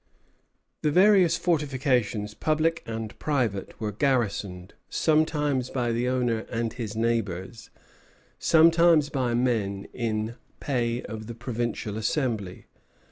] The various fortifications, public and private, were garrisoned, sometimes by the owner and his neighbors, sometimes by men in pay of the provincial Assembly.